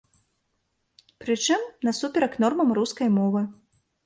Прычым, насуперак нормам рускай мовы.